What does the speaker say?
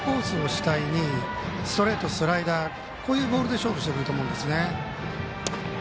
主体にストレート、スライダーとこういうボールで勝負をすると思うんですね。